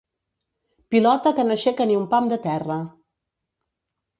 Pilota que no aixeca ni un pam de terra.